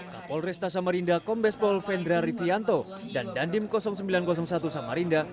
kapolresta samarinda kombespol vendra rivianto dan dandim sembilan ratus satu samarinda